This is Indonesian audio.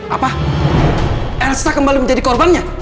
apa elsa kembali menjadi korbannya